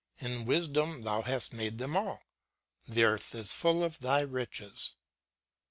In wisdom hast thou made them all. The earth is full of thy riches."